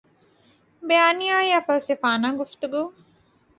بیانیہ یا فلسفانہ گفتگو